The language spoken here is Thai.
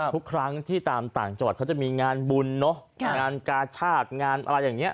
ทุกครั้งที่ตามต่างจังหวัดเขาจะมีงานบุญเนอะงานกาชาติงานอะไรอย่างนี้